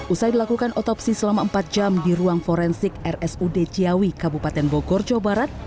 usai dilakukan otopsi selama empat jam di ruang forensik rsud ciawi kabupaten bogor jawa barat